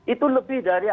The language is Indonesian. sepuluh itu lebih dari